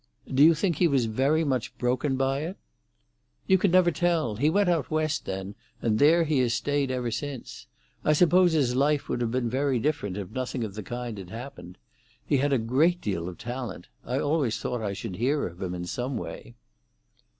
"Do you think he was very much broken by it?" "You never can tell. He went out west then, and there he has stayed ever since. I suppose his life would have been very different if nothing of the kind had happened. He had a great deal of talent. I always thought I should hear of him in some way."